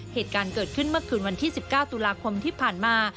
เหตุการณ์เกิดขึ้นเมื่อคืนวันที่๑๙ตุลาคมที่ผ่านมา